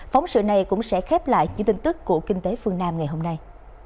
phóng sự này cũng sẽ khép lại những tin tức của kinh tế phương nam ngày hôm nay